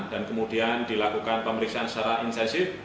dan kemudian dilakukan pemeriksaan secara insesif